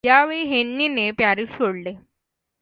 यावेळी हेन्रीने पॅरिस सोडले.